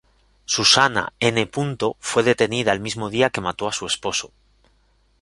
Susana N. fue detenida el mismo día que mató a su esposo.